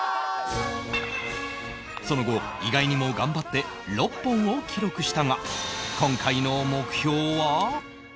その後意外にも頑張って６本を記録したが